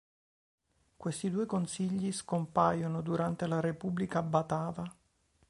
Questi due consigli scompaiono durante la Repubblica Batava.